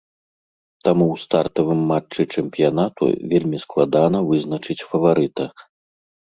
Таму ў стартавым матчы чэмпіянату вельмі складана вызначыць фаварыта.